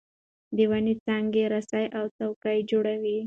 د ونو څانګې رسۍ او څوکۍ جوړوي.